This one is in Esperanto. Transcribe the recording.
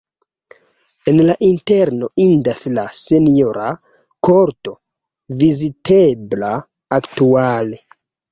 En la interno indas la senjora korto, vizitebla aktuale.